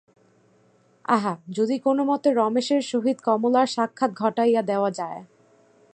আহা, যদি কোনোমতে রমেশের সহিত কমলার সাক্ষাৎ ঘটাইয়া দেওয়া যায়।